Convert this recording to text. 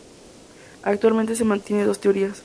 Actualmente se mantiene dos teorías.